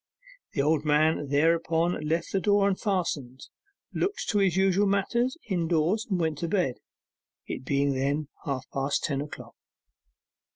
The old man thereupon left the door unfastened, looked to his usual matters indoors, and went to bed, it being then half past ten o'clock.